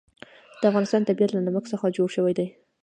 د افغانستان طبیعت له نمک څخه جوړ شوی دی.